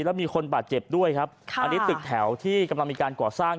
แล้วมีคนบาดเจ็บด้วยครับค่ะอันนี้ตึกแถวที่กำลังมีการก่อสร้าง